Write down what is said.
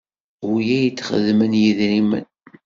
Ula i d-xedmen yidrimen.